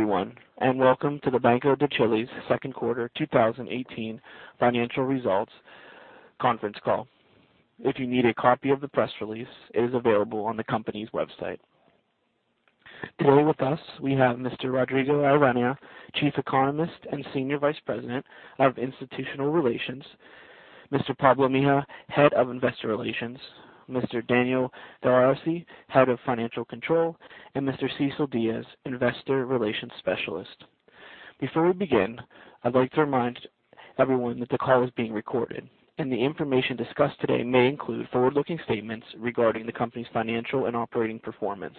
Hello, everyone, and welcome to the Banco de Chile's second quarter 2018 financial results conference call. If you need a copy of the press release, it is available on the company's website. Today with us, we have Mr. Rodrigo Aravena, Chief Economist and Senior Vice President of Institutional Relations, Mr. Pablo Mejía, Head of Investor Relations, Mr. Daniel Galarce, Head of Financial Control, and Mr. Cecil Diaz, Investor Relations Specialist. Before we begin, I'd like to remind everyone that the call is being recorded, and the information discussed today may include forward-looking statements regarding the company's financial and operating performance.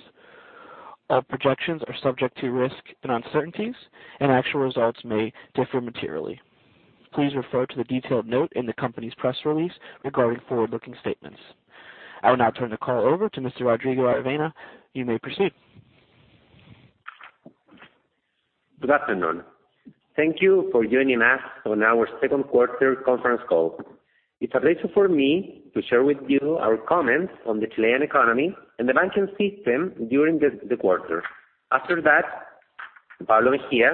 All projections are subject to risk and uncertainties, and actual results may differ materially. Please refer to the detailed note in the company's press release regarding forward-looking statements. I will now turn the call over to Mr. Rodrigo Aravena. You may proceed. Good afternoon. Thank you for joining us on our second quarter conference call. It's a pleasure for me to share with you our comments on the Chilean economy and the banking system during the quarter. After that, Pablo Mejía,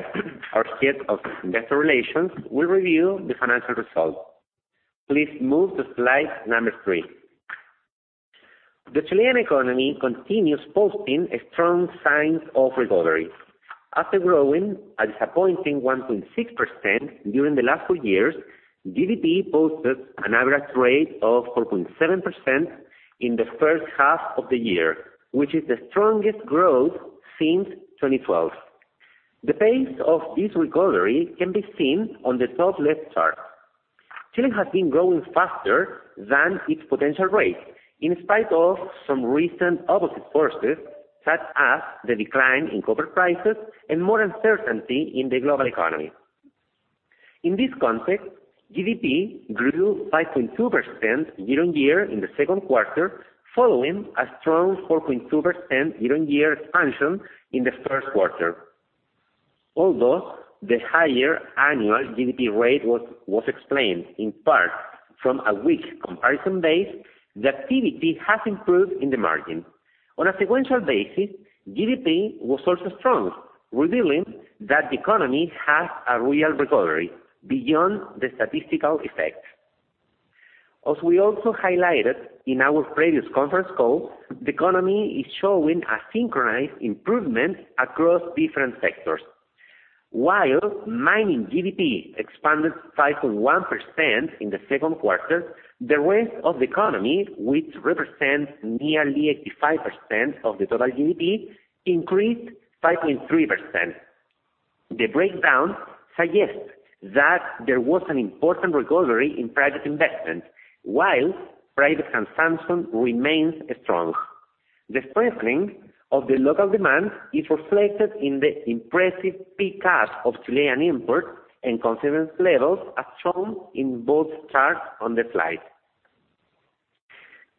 our Head of Investor Relations, will review the financial results. Please move to slide number three. The Chilean economy continues posting strong signs of recovery. After growing a disappointing 1.6% during the last two years, GDP posted an average rate of 4.7% in the first half of the year, which is the strongest growth since 2012. The pace of this recovery can be seen on the top left chart. Chile has been growing faster than its potential rate, in spite of some recent opposite forces such as the decline in copper prices and more uncertainty in the global economy. In this context, GDP grew 5.2% year-on-year in the second quarter, following a strong 4.2% year-on-year expansion in the first quarter. Although the higher annual GDP rate was explained in part from a weak comparison base, the activity has improved in the margin. On a sequential basis, GDP was also strong, revealing that the economy has a real recovery beyond the statistical effect. As we also highlighted in our previous conference call, the economy is showing a synchronized improvement across different sectors. While mining GDP expanded 5.1% in the second quarter, the rest of the economy, which represents nearly 85% of the total GDP, increased 5.3%. The breakdown suggests that there was an important recovery in private investment while private consumption remains strong. The strengthening of the local demand is reflected in the impressive pick-up of Chilean imports and consumer levels, as shown in both charts on the slide.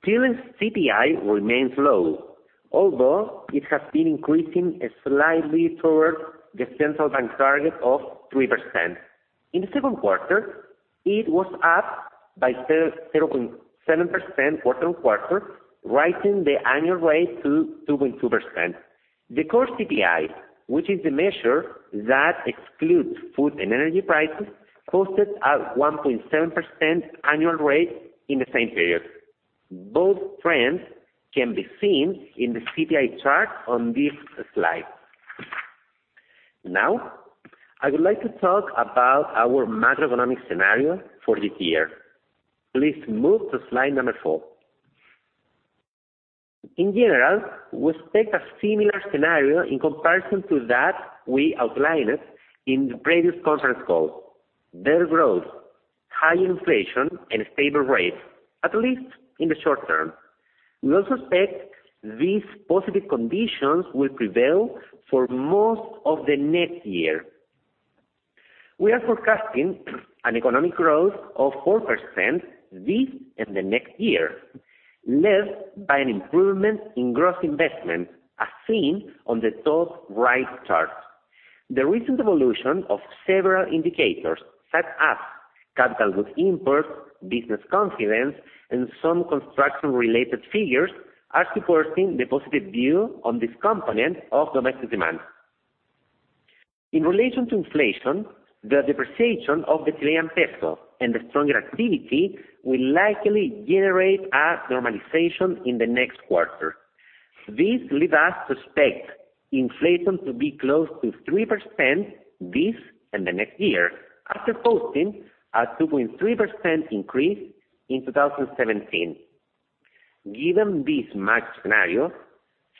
Chile's CPI remains low, although it has been increasing slightly toward the central bank target of 3%. In the second quarter, it was up by 7% quarter-on-quarter, rising the annual rate to 2.2%. The core CPI, which is the measure that excludes food and energy prices, posted a 1.7% annual rate in the same period. Both trends can be seen in the CPI chart on this slide. Now, I would like to talk about our macroeconomic scenario for this year. Please move to slide number four. In general, we expect a similar scenario in comparison to that we outlined in the previous conference call. Better growth, high inflation, and stable rates, at least in the short term. We also expect these positive conditions will prevail for most of the next year. We are forecasting an economic growth of 4% this and the next year, led by an improvement in gross investment, as seen on the top right chart. The recent evolution of several indicators, such as capital goods imports, business confidence, and some construction-related figures, are supporting the positive view on this component of domestic demand. In relation to inflation, the depreciation of the Chilean peso and the stronger activity will likely generate a normalization in the next quarter. This leads us to expect inflation to be close to 3% this and the next year after posting a 2.3% increase in 2017. Given this macro scenario,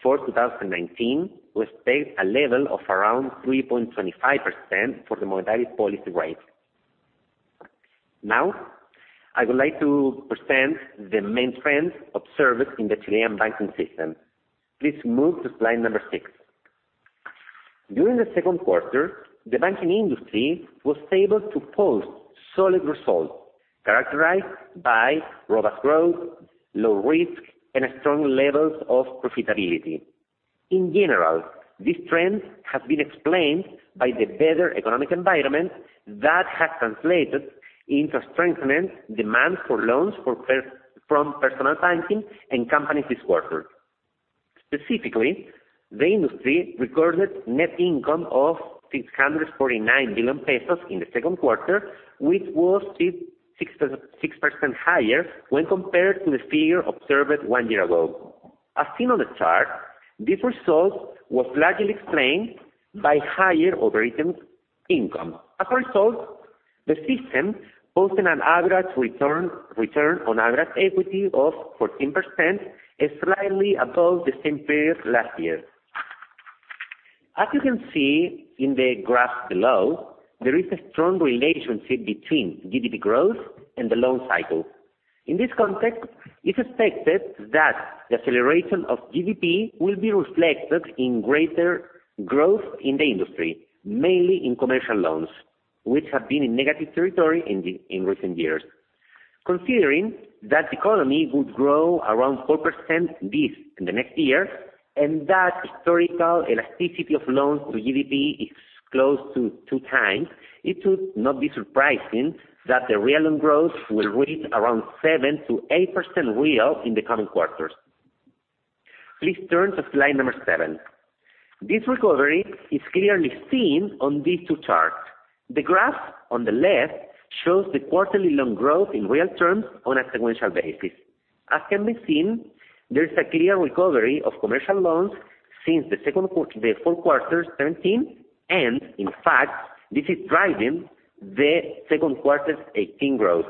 for 2019, we expect a level of around 3.25% for the monetary policy rate. I would like to present the main trends observed in the Chilean banking system. Please move to slide number seven. During the second quarter, the banking industry was able to post solid results characterized by robust growth, low risk, and strong levels of profitability. In general, this trend has been explained by the better economic environment that has translated into a strengthened demand for loans from personal banking and companies this quarter. Specifically, the industry recorded net income of 649 billion pesos in the second quarter, which was 6% higher when compared to the figure observed one year ago. As seen on the chart, this result was largely explained by higher operating income. As a result, the system posted an average return on average equity of 14%, slightly above the same period last year. As you can see in the graph below, there is a strong relationship between GDP growth and the loan cycle. In this context, it's expected that the acceleration of GDP will be reflected in greater growth in the industry, mainly in commercial loans, which have been in negative territory in recent years. Considering that the economy would grow around 4% this and the next year, and that historical elasticity of loans to GDP is close to two times, it should not be surprising that the real growth will reach around 7%-8% real in the coming quarters. Please turn to slide number seven. This recovery is clearly seen on these two charts. The graph on the left shows the quarterly loan growth in real terms on a sequential basis. As can be seen, there is a clear recovery of commercial loans since the fourth quarter 2017, and in fact, this is driving the second quarter 2018 growth.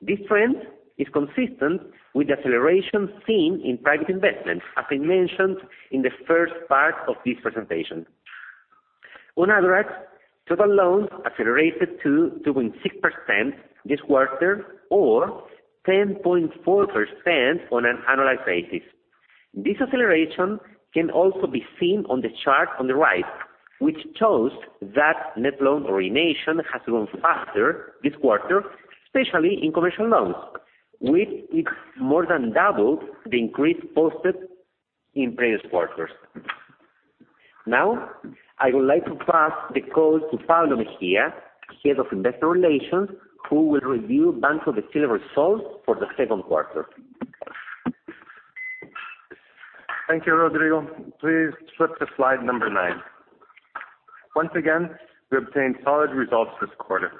This trend is consistent with the acceleration seen in private investment, as I mentioned in the first part of this presentation. On average, total loans accelerated to 2.6% this quarter or 10.4% on an annualized basis. This acceleration can also be seen on the chart on the right, which shows that net loan origination has grown faster this quarter, especially in commercial loans, with it more than double the increase posted in previous quarters. I would like to pass the call to Pablo Mejía, Head of Investor Relations, who will review Banco de Chile results for the second quarter. Thank you, Rodrigo. Please flip to slide number nine. Once again, we obtained solid results this quarter,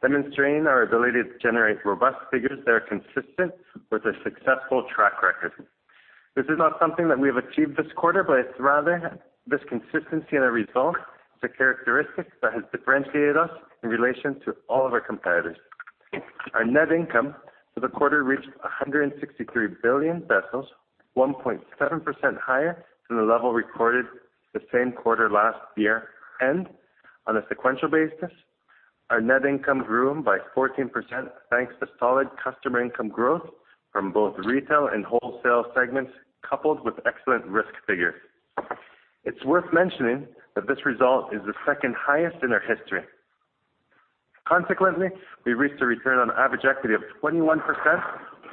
demonstrating our ability to generate robust figures that are consistent with a successful track record. This is not something that we have achieved this quarter, but it's rather this consistency and a result, it's a characteristic that has differentiated us in relation to all of our competitors. Our net income for the quarter reached 163 billion pesos, 1.7% higher than the level recorded the same quarter last year. On a sequential basis, our net income grew by 14%, thanks to solid customer income growth from both retail and wholesale segments, coupled with excellent risk figures. It's worth mentioning that this result is the second highest in our history. Consequently, we reached a return on average equity of 21%,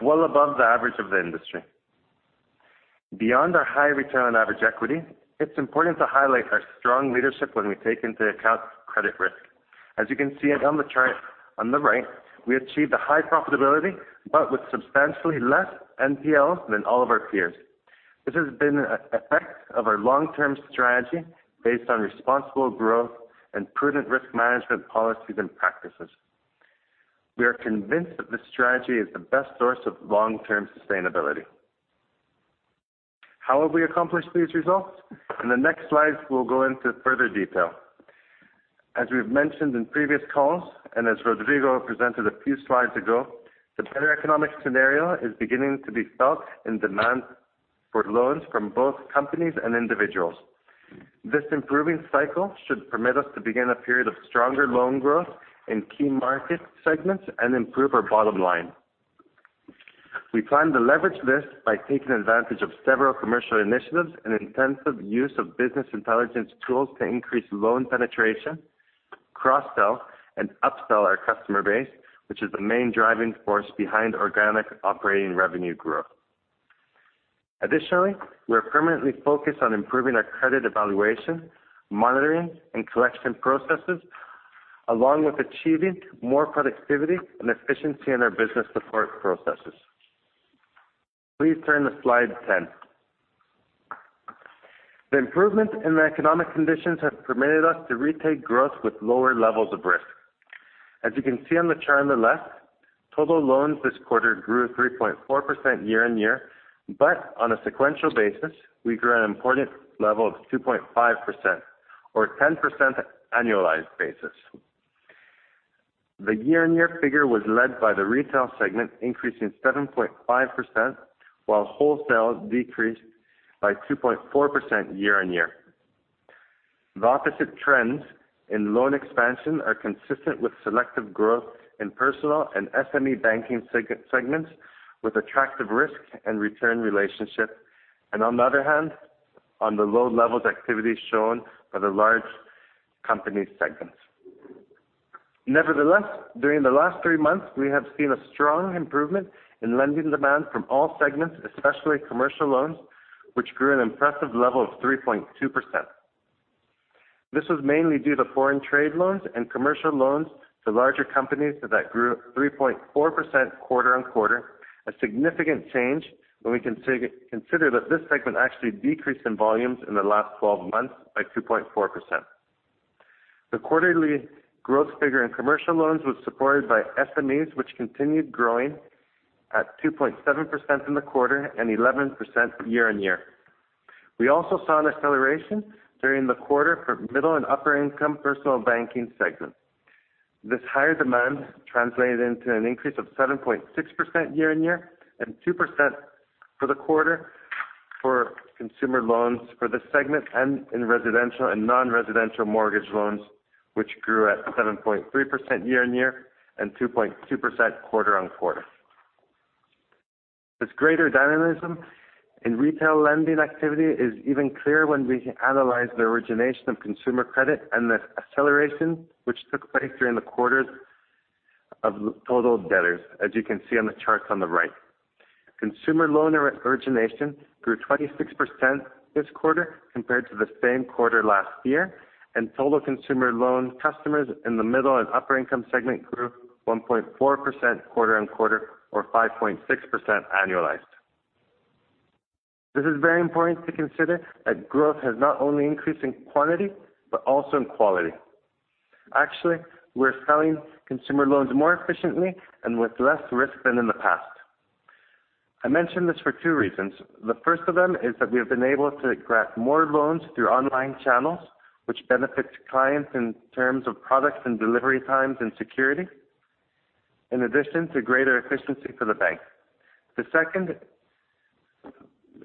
well above the average of the industry. Beyond our high return on average equity, it's important to highlight our strong leadership when we take into account credit risk. As you can see on the chart on the right, we achieved a high profitability, but with substantially less NPL than all of our peers. This has been an effect of our long-term strategy based on responsible growth and prudent risk management policies and practices. We are convinced that this strategy is the best source of long-term sustainability. How have we accomplished these results? In the next slides, we'll go into further detail. As we've mentioned in previous calls, as Rodrigo presented a few slides ago, the better economic scenario is beginning to be felt in demand for loans from both companies and individuals. This improving cycle should permit us to begin a period of stronger loan growth in key market segments and improve our bottom line. We plan to leverage this by taking advantage of several commercial initiatives and intensive use of business intelligence tools to increase loan penetration, cross-sell, and up-sell our customer base, which is the main driving force behind organic operating revenue growth. Additionally, we are permanently focused on improving our credit evaluation, monitoring, and collection processes, along with achieving more productivity and efficiency in our business support processes. Please turn to slide 10. The improvements in the economic conditions have permitted us to retake growth with lower levels of risk. As you can see on the chart on the left, total loans this quarter grew 3.4% year-on-year. On a sequential basis, we grew an important level of 2.5%, or 10% annualized basis. The year-on-year figure was led by the retail segment, increasing 7.5%, while wholesale decreased by 2.4% year-on-year. The opposite trends in loan expansion are consistent with selective growth in personal and SME banking segments with attractive risk and return relationship. On the other hand, on the low levels activities shown by the large company segments. Nevertheless, during the last three months, we have seen a strong improvement in lending demand from all segments, especially commercial loans, which grew an impressive level of 3.2%. This was mainly due to foreign trade loans and commercial loans to larger companies that grew 3.4% quarter-on-quarter, a significant change when we consider that this segment actually decreased in volumes in the last 12 months by 2.4%. The quarterly growth figure in commercial loans was supported by SMEs, which continued growing at 2.7% in the quarter and 11% year-on-year. We also saw an acceleration during the quarter for middle and upper-income personal banking segment. This higher demand translated into an increase of 7.6% year-on-year and 2% for the quarter for consumer loans for this segment and in residential and non-residential mortgage loans, which grew at 7.3% year-on-year and 2.2% quarter-on-quarter. This greater dynamism in retail lending activity is even clearer when we analyze the origination of consumer credit and the acceleration which took place during the quarters of total debtors, as you can see on the charts on the right. Consumer loan origination grew 26% this quarter compared to the same quarter last year, and total consumer loan customers in the middle and upper-income segment grew 1.4% quarter-on-quarter or 5.6% annualized. This is very important to consider that growth has not only increased in quantity but also in quality. Actually, we're selling consumer loans more efficiently and with less risk than in the past. I mention this for two reasons. The first of them is that we have been able to grant more loans through online channels, which benefits clients in terms of products and delivery times and security, in addition to greater efficiency for the bank. The second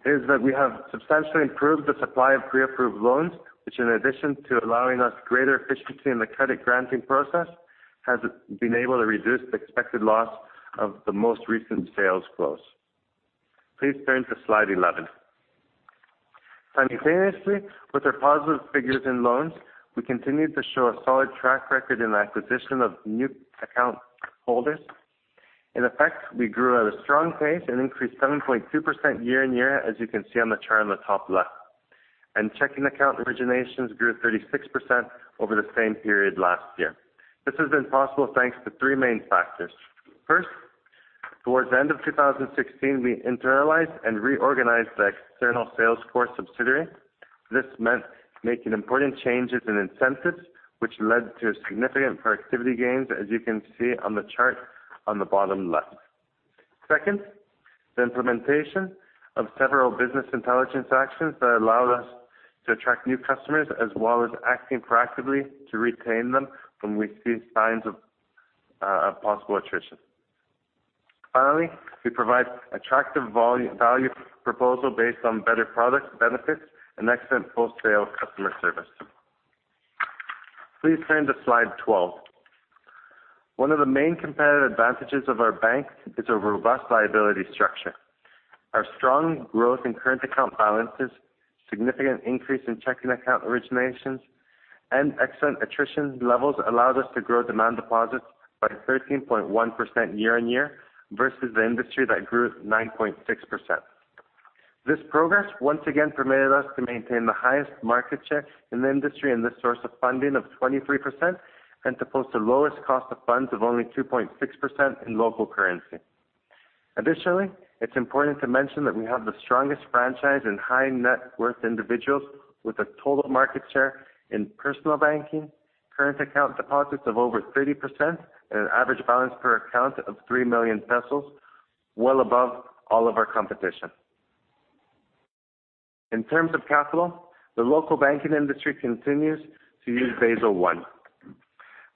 is that we have substantially improved the supply of pre-approved loans, which, in addition to allowing us greater efficiency in the credit granting process, has been able to reduce the expected loss of the most recent sales close. Please turn to slide 11. Simultaneously, with our positive figures in loans, we continued to show a solid track record in acquisition of new account holders. In effect, we grew at a strong pace and increased 7.2% year-on-year, as you can see on the chart on the top left. Checking account originations grew 36% over the same period last year. This has been possible thanks to three main factors. First, towards the end of 2016, we internalized and reorganized the external sales force subsidiary. This meant making important changes in incentives, which led to significant productivity gains, as you can see on the chart on the bottom left. Second, the implementation of several business intelligence actions that allowed us to attract new customers, as well as acting proactively to retain them when we see signs of possible attrition. Finally, we provide attractive value proposal based on better products, benefits, and excellent post-sale customer service. Please turn to slide 12. One of the main competitive advantages of our bank is a robust liability structure. Our strong growth in current account balances, significant increase in checking account originations, and excellent attrition levels allowed us to grow demand deposits by 13.1% year-on-year versus the industry that grew 9.6%. This progress once again permitted us to maintain the highest market share in the industry in this source of funding of 23% and to post the lowest cost of funds of only 2.6% in local currency. Additionally, it's important to mention that we have the strongest franchise in high net worth individuals with a total market share in personal banking, current account deposits of over 30%, and an average balance per account of 3 million pesos, well above all of our competition. In terms of capital, the local banking industry continues to use Basel I.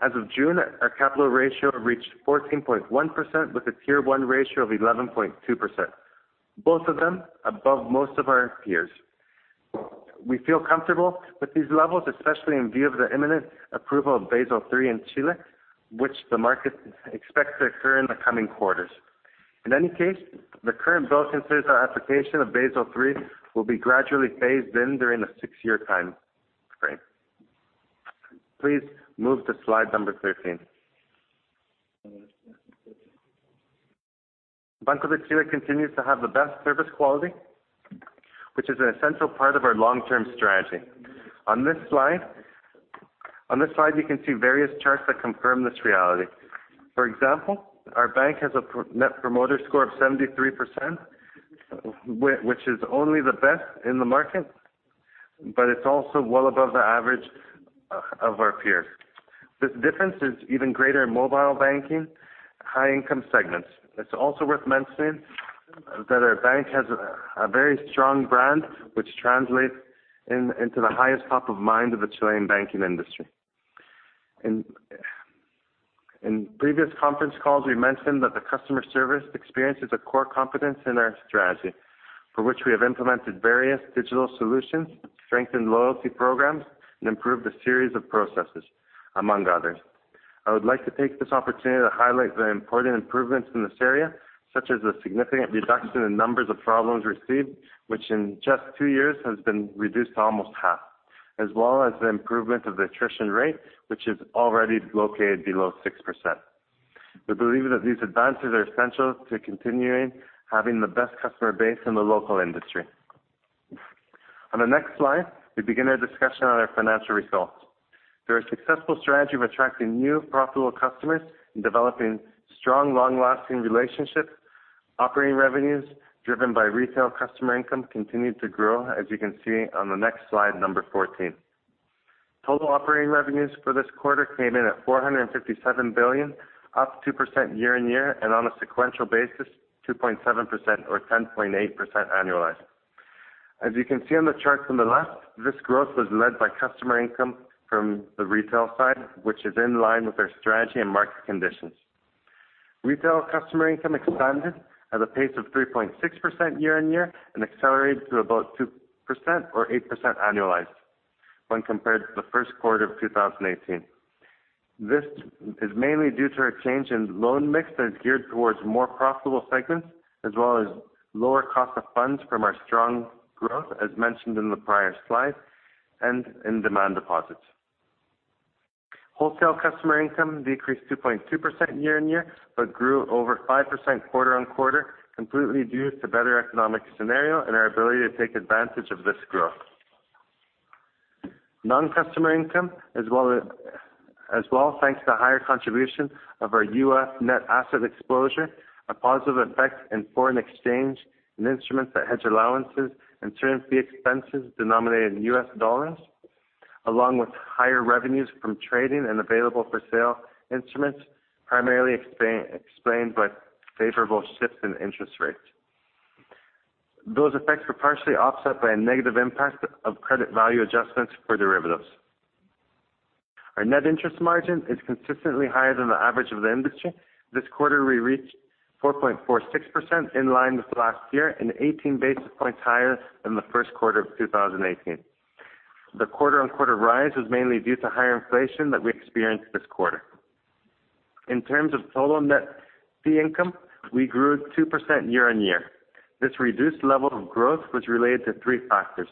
As of June, our capital ratio reached 14.1% with a Tier 1 ratio of 11.2%, both of them above most of our peers. We feel comfortable with these levels, especially in view of the imminent approval of Basel III in Chile, which the market expects to occur in the coming quarters. In any case, the current bill considers our application of Basel III will be gradually phased in during a six-year time frame. Please move to slide number 13. Banco de Chile continues to have the best service quality, which is an essential part of our long-term strategy. On this slide, you can see various charts that confirm this reality. For example, our bank has a Net Promoter Score of 73%, which is only the best in the market, but it is also well above the average of our peers. This difference is even greater in mobile banking, high-income segments. It is also worth mentioning that our bank has a very strong brand, which translates into the highest top of mind of the Chilean banking industry. In previous conference calls, we mentioned that the customer service experience is a core competence in our strategy, for which we have implemented various digital solutions, strengthened loyalty programs, and improved a series of processes, among others. I would like to take this opportunity to highlight the important improvements in this area, such as the significant reduction in numbers of problems received, which in just two years has been reduced to almost half, as well as the improvement of the attrition rate, which is already located below 6%. We believe that these advances are essential to continuing having the best customer base in the local industry. On the next slide, we begin our discussion on our financial results. Through our successful strategy of attracting new profitable customers and developing strong, long-lasting relationships, operating revenues driven by retail customer income continued to grow, as you can see on the next slide, number 14. Total operating revenues for this quarter came in at CLP 457 billion, up 2% year-on-year and on a sequential basis, 2.7% or 10.8% annualized. As you can see on the charts on the left, this growth was led by customer income from the retail side, which is in line with our strategy and market conditions. Retail customer income expanded at a pace of 3.6% year-on-year and accelerated to about 2% or 8% annualized when compared to the first quarter of 2018. This is mainly due to our change in loan mix that is geared towards more profitable segments as well as lower cost of funds from our strong growth, as mentioned in the prior slide, and in demand deposits. Wholesale customer income decreased 2.2% year-on-year but grew over 5% quarter-on-quarter, completely due to better economic scenario and our ability to take advantage of this growth. Non-customer income, as well, thanks to the higher contribution of our U.S. net asset exposure, a positive effect in foreign exchange and instruments that hedge allowances and certain fee expenses denominated in U.S. dollars, along with higher revenues from trading and available-for-sale instruments primarily explained by favorable shifts in interest rates. Those effects were partially offset by a negative impact of Credit Valuation Adjustment for derivatives. Our Net Interest Margin is consistently higher than the average of the industry. This quarter, we reached 4.46%, in line with last year and 18 basis points higher than the first quarter of 2018. The quarter-on-quarter rise was mainly due to higher inflation that we experienced this quarter. In terms of total net fee income, we grew 2% year-on-year. This reduced level of growth was related to three factors.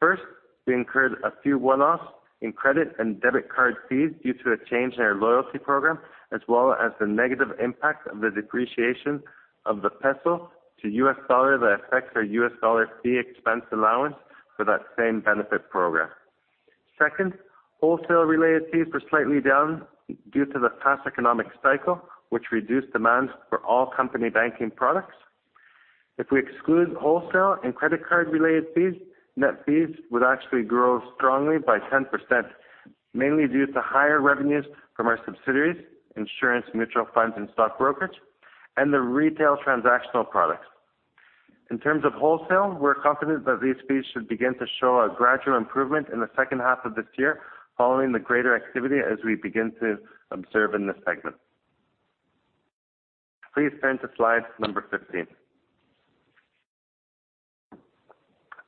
First, we incurred a few one-offs in credit and debit card fees due to a change in our loyalty program, as well as the negative impact of the depreciation of the peso to U.S. dollar that affects our U.S. dollar fee expense allowance for that same benefit program. Second, wholesale-related fees were slightly down due to the past economic cycle, which reduced demands for all company banking products. If we exclude wholesale and credit card-related fees, net fees would actually grow strongly by 10%, mainly due to higher revenues from our subsidiaries, insurance, mutual funds, and stock brokerage, and the retail transactional products. In terms of wholesale, we're confident that these fees should begin to show a gradual improvement in the second half of this year, following the greater activity as we begin to observe in this segment. Please turn to slide number 15.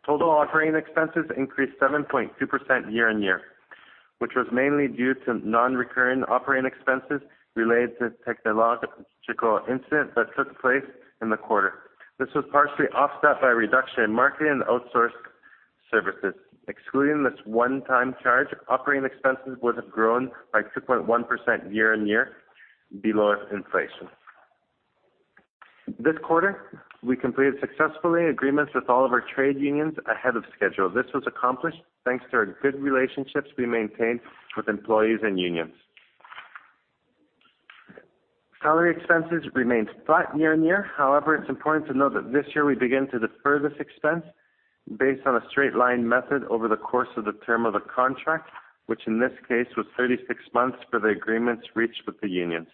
Total operating expenses increased 7.2% year-on-year, which was mainly due to non-recurring operating expenses related to technological incident that took place in the quarter. This was partially offset by a reduction in marketing and outsourced services. Excluding this one-time charge, operating expenses would have grown by 2.1% year-on-year below inflation. This quarter, we completed successfully agreements with all of our trade unions ahead of schedule. This was accomplished thanks to our good relationships we maintained with employees and unions. Salary expenses remained flat year-on-year. However, it's important to note that this year we begin to defer this expense based on a straight line method over the course of the term of the contract, which in this case was 36 months for the agreements reached with the unions.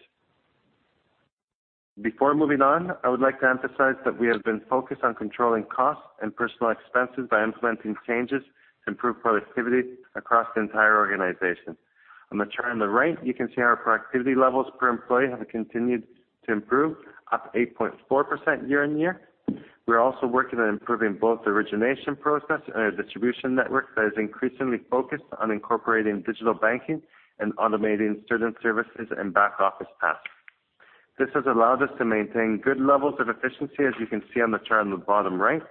Before moving on, I would like to emphasize that we have been focused on controlling costs and personal expenses by implementing changes to improve productivity across the entire organization. On the chart on the right, you can see our productivity levels per employee have continued to improve, up 8.4% year-on-year. We are also working on improving both the origination process and our distribution network that is increasingly focused on incorporating digital banking and automating certain services and back-office tasks. This has allowed us to maintain good levels of efficiency, as you can see on the chart on the bottom right.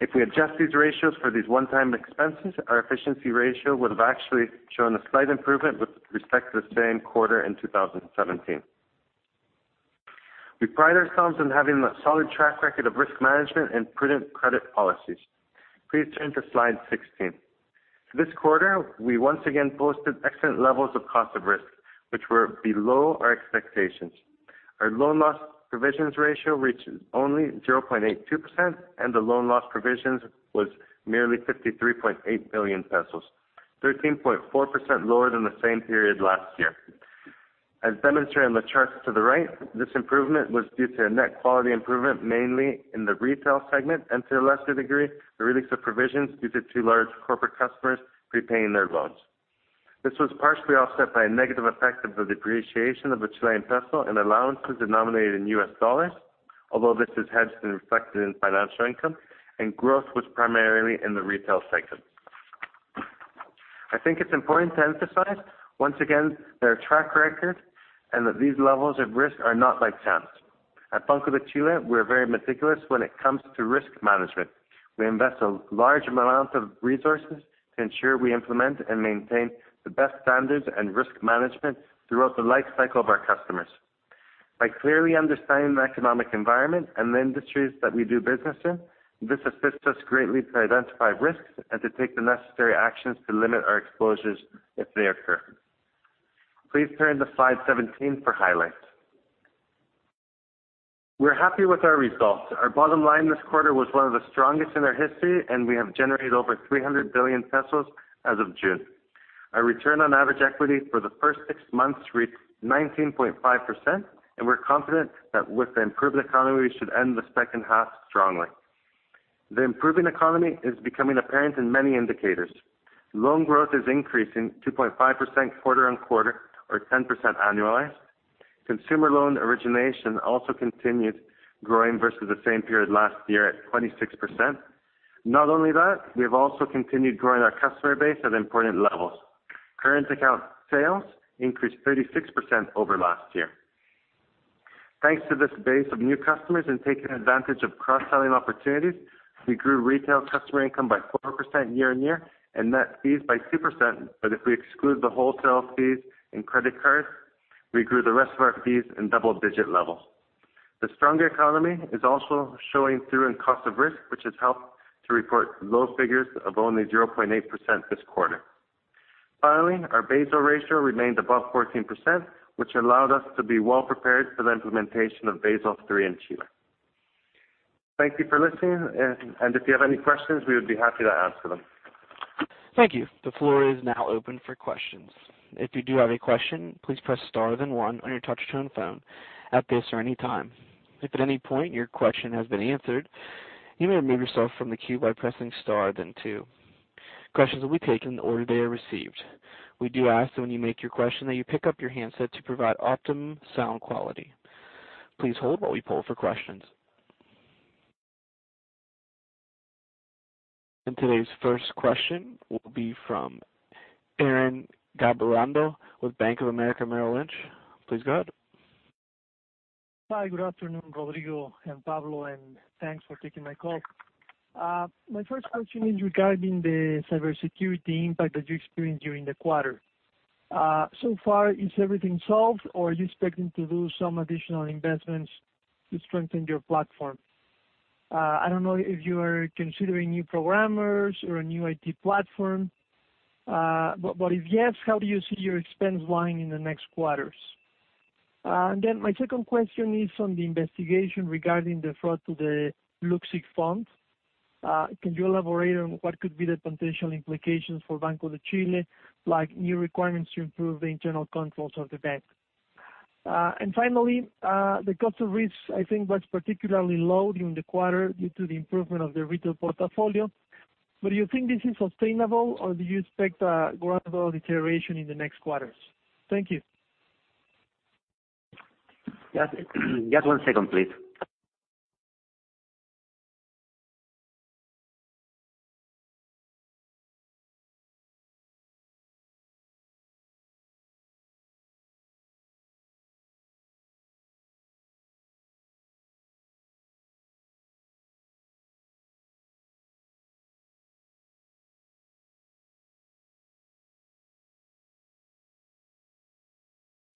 If we adjust these ratios for these one-time expenses, our efficiency ratio would have actually shown a slight improvement with respect to the same quarter in 2017. We pride ourselves on having a solid track record of risk management and prudent credit policies. Please turn to slide 16. This quarter, we once again posted excellent levels of cost of risk, which were below our expectations. Our loan loss provisions ratio reached only 0.82%, and the loan loss provisions was merely 53.8 billion pesos, 13.4% lower than the same period last year. As demonstrated on the charts to the right, this improvement was due to a net quality improvement, mainly in the retail segment and to a lesser degree, the release of provisions due to two large corporate customers prepaying their loans. This was partially offset by a negative effect of the depreciation of the CLP and allowances denominated in US dollars. Growth was primarily in the retail segment. I think it's important to emphasize, once again, their track record and that these levels of risk are not by chance. At Banco de Chile, we're very meticulous when it comes to risk management. We invest a large amount of resources to ensure we implement and maintain the best standards and risk management throughout the lifecycle of our customers. By clearly understanding the economic environment and the industries that we do business in, this assists us greatly to identify risks and to take the necessary actions to limit our exposures if they occur. Please turn to slide 17 for highlights. We're happy with our results. Our bottom line this quarter was one of the strongest in our history, and we have generated over 300 billion pesos as of June. Our return on average equity for the first six months reached 19.5%, and we're confident that with the improved economy, we should end the second half strongly. The improving economy is becoming apparent in many indicators. Loan growth is increasing 2.5% quarter-on-quarter, or 10% annualized. Consumer loan origination also continued growing versus the same period last year at 26%. Not only that, we have also continued growing our customer base at important levels. Current account sales increased 36% over last year. Thanks to this base of new customers and taking advantage of cross-selling opportunities, we grew retail customer income by 4% year-on-year and net fees by 2%. If we exclude the wholesale fees and credit cards, we grew the rest of our fees in double-digit levels. The stronger economy is also showing through in cost of risk, which has helped to report low figures of only 0.8% this quarter. Finally, our Basel ratio remained above 14%, which allowed us to be well prepared for the implementation of Basel III in Chile. Thank you for listening, and if you have any questions, we would be happy to answer them. Thank you. The floor is now open for questions. If you do have a question, please press star then one on your touch-tone phone at this or any time. If at any point your question has been answered, you may remove yourself from the queue by pressing star then two. Questions will be taken in the order they are received. We do ask that when you make your question, that you pick up your handset to provide optimum sound quality. Please hold while we poll for questions. Today's first question will be from Ernesto Gabilondo with Bank of America Merrill Lynch. Please go ahead. Hi. Good afternoon, Rodrigo and Pablo, and thanks for taking my call. My first question is regarding the cybersecurity impact that you experienced during the quarter. Is everything solved, or are you expecting to do some additional investments to strengthen your platform? I don't know if you are considering new programmers or a new IT platform. If yes, how do you see your expense lying in the next quarters? My second question is on the investigation regarding the fraud to the Luksic fund. Can you elaborate on what could be the potential implications for Banco de Chile, like new requirements to improve the internal controls of the bank? Finally, the cost of risk, I think was particularly low during the quarter due to the improvement of the retail portfolio. Do you think this is sustainable, or do you expect a gradual deterioration in the next quarters? Thank you. Just one second, please.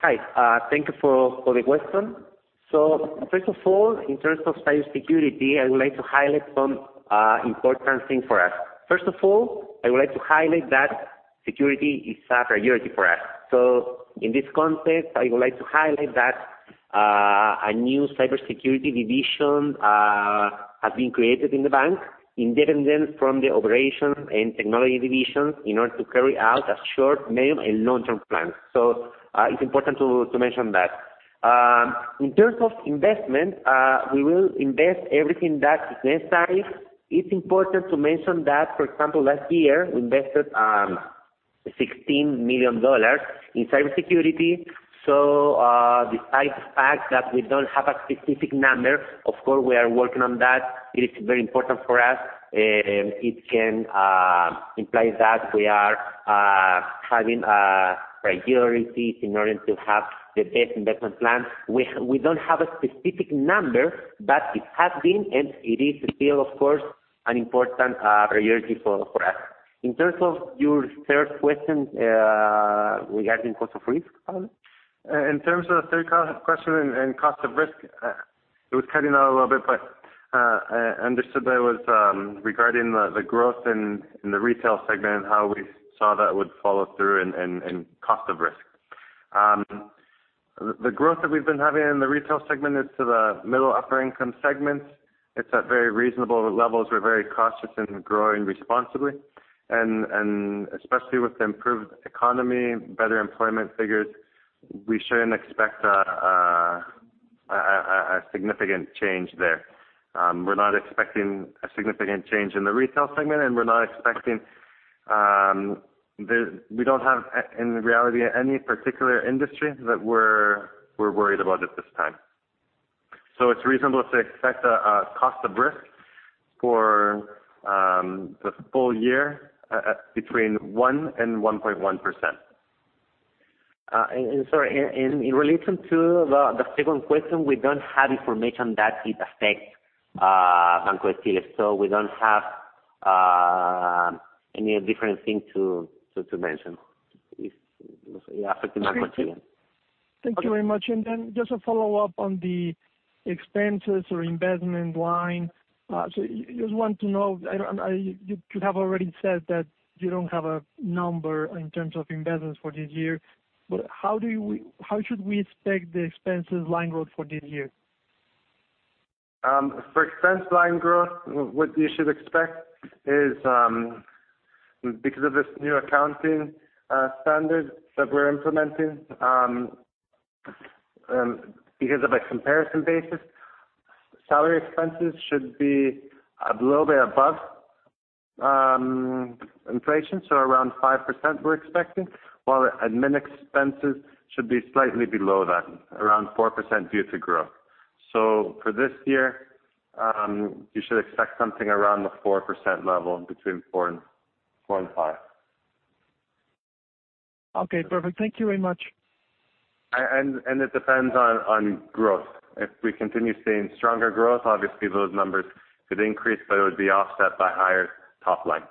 Hi. Thank you for the question. First of all, in terms of cybersecurity, I would like to highlight some important things for us. First of all, I would like to highlight that security is a priority for us. In this context, I would like to highlight that a new cybersecurity division has been created in the bank, independent from the operation and technology division, in order to carry out a short, medium, and long-term plan. It's important to mention that. In terms of investment, we will invest everything that is necessary. It's important to mention that, for example, last year, we invested $16 million in cybersecurity. Despite the fact that we don't have a specific number, of course, we are working on that. It is very important for us. It can imply that we are having priorities in order to have the best investment plan. We don't have a specific number, but it has been, and it is still, of course, an important priority for us. In terms of your third question, regarding cost of risk, Pablo? In terms of the third question and cost of risk, it was cutting out a little bit, but I understood that was regarding the growth in the retail segment and how we saw that would follow through in cost of risk. The growth that we've been having in the retail segment is to the middle, upper-income segments. It's at very reasonable levels. We're very cautious and growing responsibly. Especially with the improved economy, better employment figures, we shouldn't expect a significant change there. We're not expecting a significant change in the retail segment, we don't have, in reality, any particular industry that we're worried about at this time. It's reasonable to expect a cost of risk for the full year at between 1% and 1.1%. Sorry, in relation to the second question, we don't have information that it affects Banco de Chile, we don't have any different thing to mention. It affect Banco de Chile. Thank you very much. Just a follow-up on the expenses or investment line. Just want to know, you have already said that you don't have a number in terms of investments for this year, how should we expect the expenses line growth for this year? For expense line growth, what you should expect is, because of this new accounting standard that we're implementing, because of a comparison basis, salary expenses should be a little bit above inflation, around 5% we're expecting. While admin expenses should be slightly below that, around 4% due to growth. For this year, you should expect something around the 4% level, between 4% and 5%. Okay, perfect. Thank you very much. It depends on growth. If we continue seeing stronger growth, obviously those numbers could increase, but it would be offset by higher top line.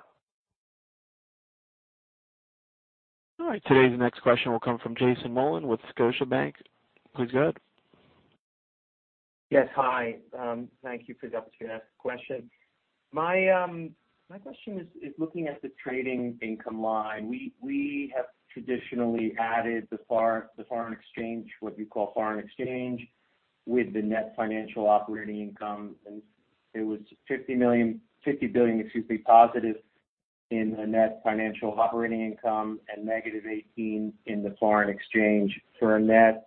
All right. Today's next question will come from Jason Mollin with Scotiabank. Please go ahead. Yes. Hi. Thank you for the opportunity to ask a question. My question is looking at the trading income line. We have traditionally added the foreign exchange, what we call foreign exchange, with the net financial operating income, and it was 50 billion, excuse me, positive in a net financial operating income and negative 18 billion in the foreign exchange for a net,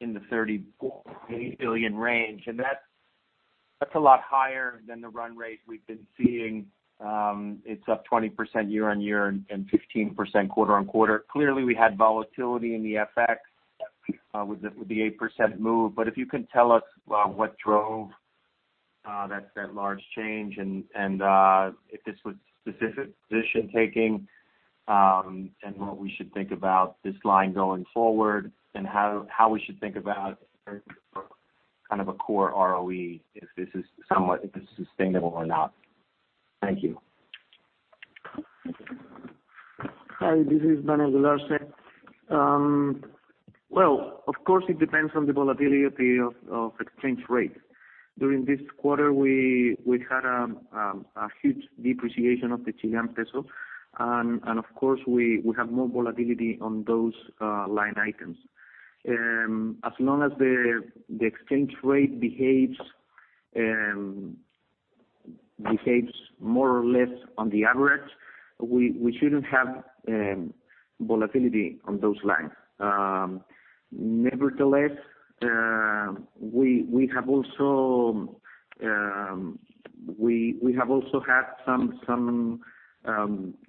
in the 30 billion range. That's a lot higher than the run rate we've been seeing. It's up 20% year-on-year and 15% quarter-on-quarter. Clearly, we had volatility in the FX with the 8% move, but if you can tell us what drove that large change and if this was specific position taking and what we should think about this line going forward, and how we should think about kind of a core ROE, if this is sustainable or not? Hi, this is Daniel Galarce. Of course, it depends on the volatility of exchange rate. During this quarter, we had a huge depreciation of the Chilean peso. Of course, we have more volatility on those line items. As long as the exchange rate behaves more or less on the average, we shouldn't have volatility on those lines. Nevertheless, we have also had some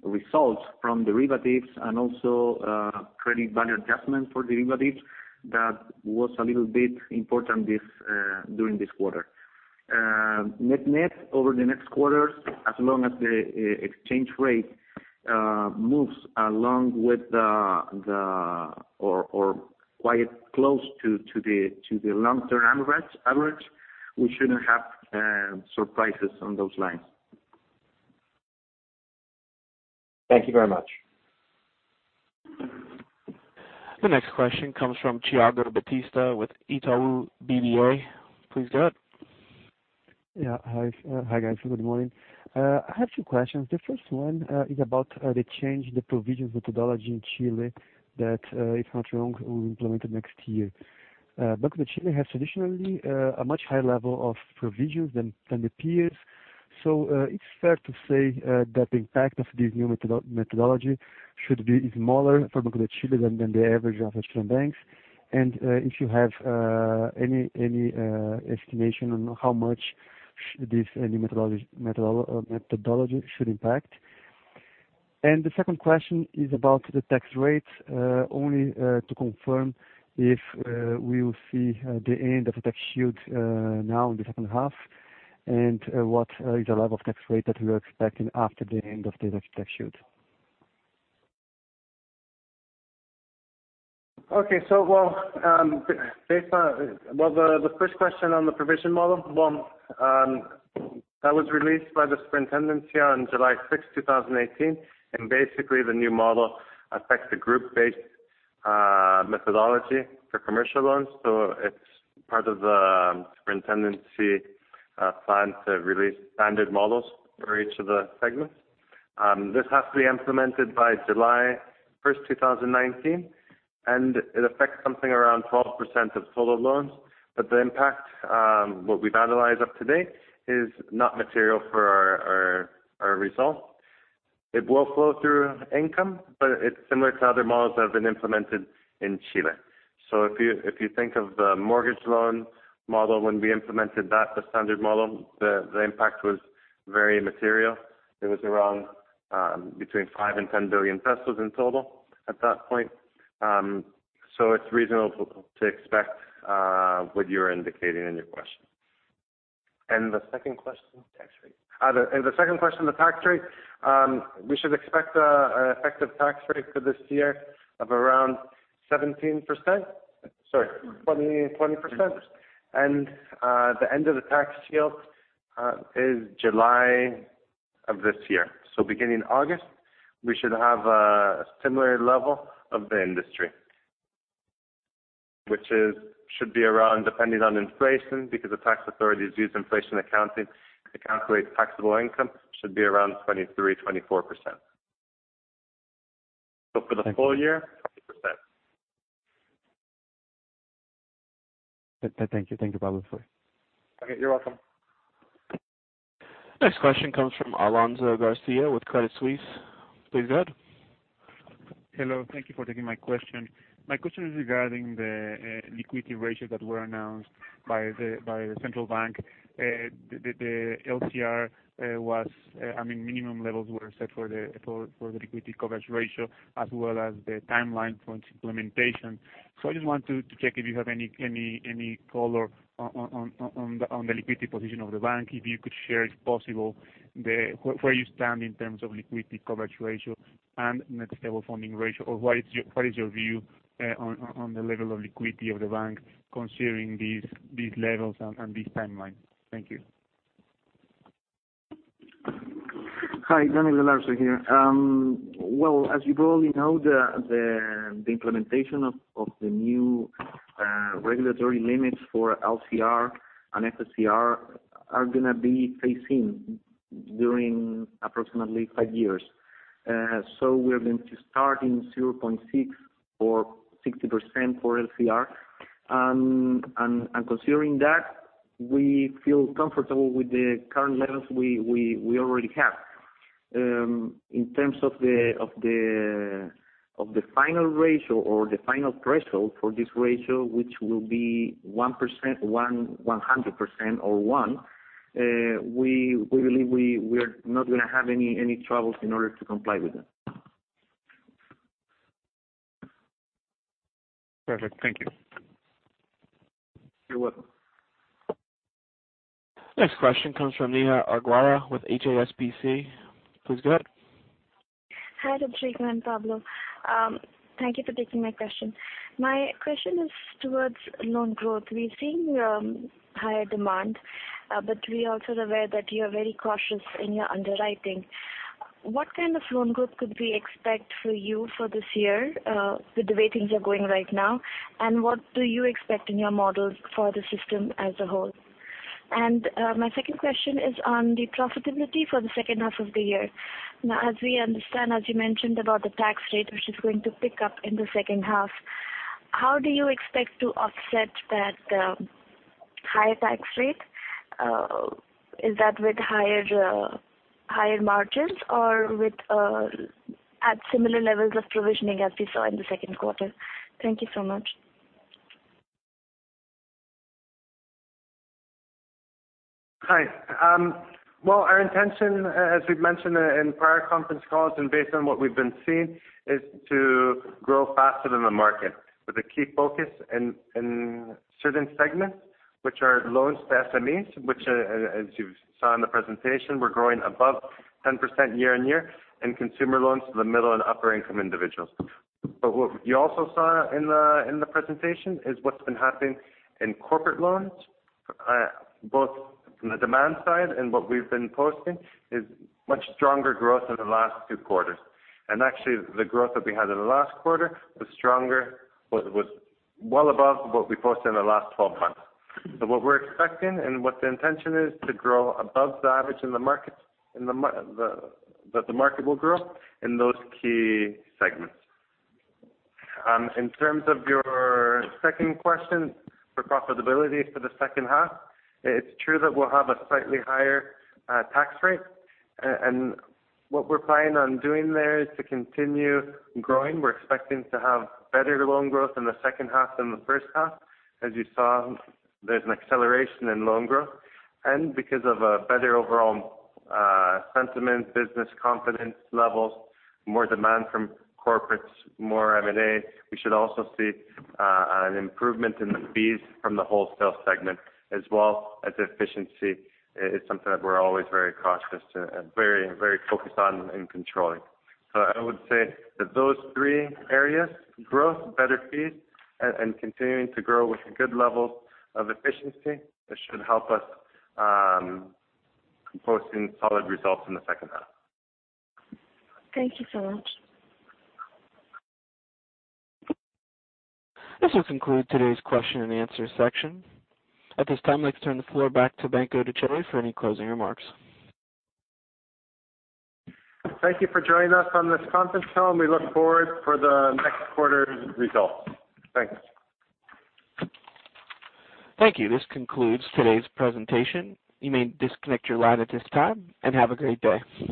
results from derivatives and also Credit Valuation Adjustment for derivatives that was a little bit important during this quarter. Net net, over the next quarters, as long as the exchange rate moves along with or quite close to the long-term average, we shouldn't have surprises on those lines. Thank you very much. The next question comes from Thiago Batista with Itaú BBA. Please go ahead. Hi guys. Good morning. I have two questions. The first one is about the change, the provisions methodology in Chile that, if not wrong, will be implemented next year. Banco de Chile has traditionally a much higher level of provisions than the peers, so it's fair to say that the impact of this new methodology should be smaller for Banco de Chile than the average of Chilean banks. If you have any estimation on how much this new methodology should impact. The second question is about the tax rate, only to confirm if we will see the end of the tax shield now in the second half, and what is the level of tax rate that we are expecting after the end of this tax shield. Okay. The first question on the provision model. That was released by the superintendency on July 6, 2018, and basically the new model affects the group-based methodology for commercial loans. It's part of the superintendency plan to release standard models for each of the segments. This has to be implemented by July 1, 2019, and it affects something around 12% of total loans. The impact, what we've analyzed up to date, is not material for our results. It will flow through income, but it's similar to other models that have been implemented in Chile. If you think of the mortgage loan model, when we implemented that, the standard model, the impact was very material. It was around between 5 billion and 10 billion pesos in total at that point. It's reasonable to expect what you're indicating in your question. The second question? Tax rate. The second question, the tax rate. We should expect an effective tax rate for this year of around 17%. Sorry, 20%. The end of the tax shield is July of this year. Beginning August, we should have a similar level of the industry, which should be around, depending on inflation, because the tax authorities use inflation accounting to calculate taxable income, should be around 23%-24%. For the full year, 20%. Thank you. Thank you, Pablo, for You're welcome. Next question comes from Alonso Garcia with Credit Suisse. Please go ahead. Hello. Thank you for taking my question. My question is regarding the liquidity ratios that were announced by the central bank. The LCR was, I mean, minimum levels were set for the liquidity coverage ratio as well as the timeline for its implementation. I just wanted to check if you have any color on the liquidity position of the bank, if you could share, if possible, where you stand in terms of liquidity coverage ratio and net stable funding ratio, or what is your view on the level of liquidity of the bank considering these levels and this timeline? Thank you. Hi, Daniel Alarcon here. Well, as you probably know, the implementation of the new regulatory limits for LCR and NSFR are going to be phasing during approximately five years. We are going to start in 0.6 or 60% for LCR. Considering that, we feel comfortable with the current levels we already have. In terms of the final ratio or the final threshold for this ratio, which will be 100% or one, we believe we are not going to have any troubles in order to comply with it. Perfect. Thank you. You're welcome. Next question comes from Neha Agarwala with HSBC. Please go ahead. Hi, Rodrigo and Pablo. Thank you for taking my question. My question is towards loan growth. We are seeing higher demand, but we are also aware that you are very cautious in your underwriting. What kind of loan growth could we expect for you for this year with the way things are going right now? What do you expect in your models for the system as a whole? My second question is on the profitability for the second half of the year. As we understand, as you mentioned about the tax rate, which is going to pick up in the second half, how do you expect to offset that higher tax rate? Is that with higher margins or at similar levels of provisioning as we saw in the second quarter? Thank you so much. Hi. Our intention, as we've mentioned in prior conference calls and based on what we've been seeing, is to grow faster than the market with a key focus in certain segments, which are loans to SMEs, which, as you saw in the presentation, we're growing above 10% year-on-year, and consumer loans to the middle and upper-income individuals. What you also saw in the presentation is what's been happening in corporate loans, both from the demand side and what we've been posting, is much stronger growth in the last 2 quarters. The growth that we had in the last quarter was well above what we posted in the last 12 months. What we're expecting and what the intention is to grow above the average that the market will grow in those key segments. In terms of your second question for profitability for the second half, it's true that we'll have a slightly higher tax rate. What we're planning on doing there is to continue growing. We're expecting to have better loan growth in the second half than the first half. As you saw, there's an acceleration in loan growth. Because of a better overall sentiment, business confidence levels, more demand from corporates, more M&A, we should also see an improvement in the fees from the wholesale segment as well as efficiency is something that we're always very cautious to and very focused on in controlling. I would say that those 3 areas, growth, better fees, and continuing to grow with a good level of efficiency, that should help us posting solid results in the second half. Thank you so much. This does conclude today's question and answer section. At this time, let's turn the floor back to Banco de Chile for any closing remarks. Thank you for joining us on this conference call, and we look forward for the next quarter results. Thanks. Thank you. This concludes today's presentation. You may disconnect your line at this time, and have a great day.